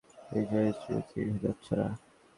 ইয়াসিন, বিষয় হচ্ছে তুমি মারা যাচ্ছনা।